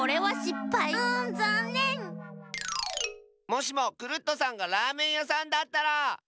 もしもクルットさんがラーメンやさんだったら！